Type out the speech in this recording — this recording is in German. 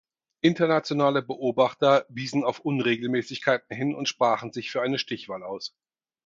Internationale Beobachter wiesen auf Unregelmäßigkeiten hin und sprachen sich für eine Stichwahl aus.